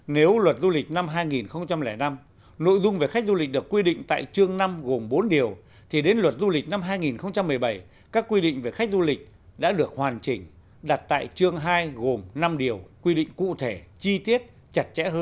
nếu luật du lịch năm hai nghìn năm nội dung về khách du lịch được quy định tại chương năm gồm bốn điều thì đến luật du lịch năm hai nghìn một mươi bảy các quy định về khách du lịch đã được hoàn chỉnh đặt tại chương hai gồm năm điều